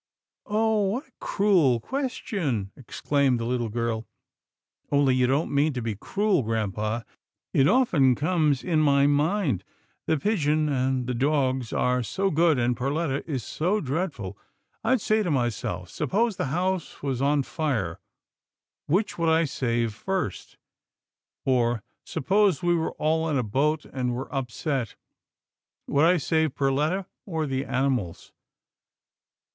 "Oh! what a cruel question," exclaimed the little girl, " only you don't mean to be cruel, grampa. It often comes in my own mind. The pigeon and the dogs are so good, and Perletta is so dreadful. I'd say to myself, * Suppose the house was on fire, which would I save first, or suppose we were all in a boat and were upset. Would I save Perletta or the animals?